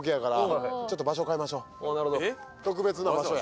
特別な場所や。